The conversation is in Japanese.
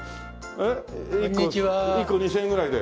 １個２０００円ぐらいで。